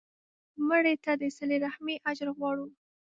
مړه ته د صله رحمي اجر غواړو